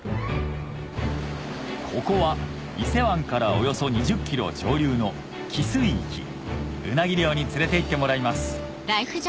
ここは伊勢湾からおよそ２０ｋｍ上流の汽水域うなぎ漁に連れていってもらいます